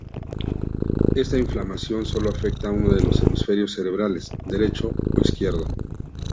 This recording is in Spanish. Esta inflamación solo afecta uno de los hemisferios cerebrales, derecho o izquierdo.